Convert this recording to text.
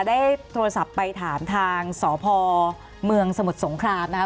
ได้โทรศัพท์ไปถามทางสพเมืองสมุทรสงครามนะครับ